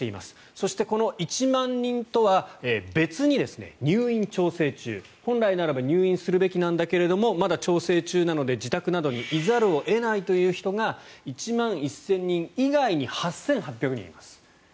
そして、この１万人とは別に入院調整中本来ならば入院するべきなんだけどまだ調整中なので自宅などにいざるを得ないという人が１万１０００人以外に８８００人います。